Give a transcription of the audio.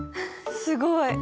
すごい。